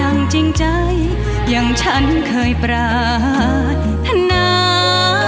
ดั่งจริงใจยังฉันเคยปราธนา